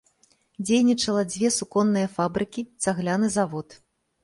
Дзейнічала дзве суконныя фабрыкі, цагляны завод.